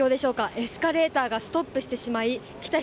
エスカレーターがストップしてしまい来た人